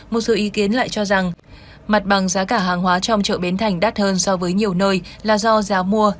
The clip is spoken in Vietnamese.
một số ý kiến lại cho rằng mặt bằng giá cả hàng hóa trong chợ bến thành đắt hơn so với nhiều nơi là do giá mua